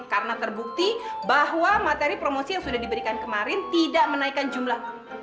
karena terbukti bahwa materi promosi yang sudah diberikan kemarin tidak menaikan jumlah